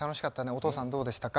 お父さんどうでしたか？